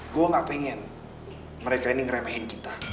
gue gak pengen mereka ini ngeremehin kita